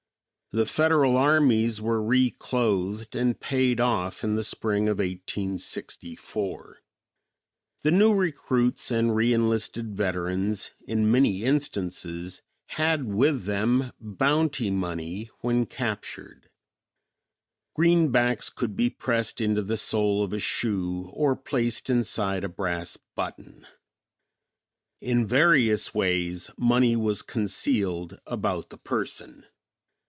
The Federal armies were reclothed and paid off in the spring of 1864. The new recruits and re enlisted veterans, in many instances, had with them bounty money when captured. Greenbacks could be pressed into the sole of a shoe, or placed inside a brass button. In various ways money was concealed about the person.